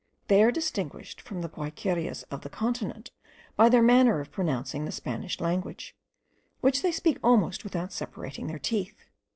They are distinguished from the Guayquerias of the continent by their manner of pronouncing the Spanish language, which they speak almost without separating their teeth.